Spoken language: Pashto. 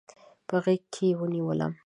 په غیږ کې ونیوله